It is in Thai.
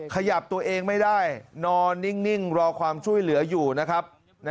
ขยับตัวเองไม่ได้นอนนิ่งรอความช่วยเหลืออยู่นะครับ